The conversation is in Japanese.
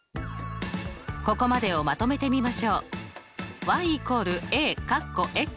ここまでをまとめてみましょう。